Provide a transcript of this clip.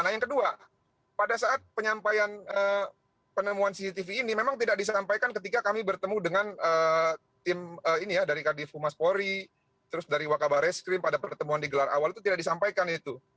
nah yang kedua pada saat penyampaian penemuan cctv ini memang tidak disampaikan ketika kami bertemu dengan tim ini ya dari kadif humas polri terus dari wakabare skrim pada pertemuan digelar awal itu tidak disampaikan itu